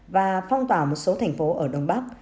và phong tỏa một số thành phố ở đông bắc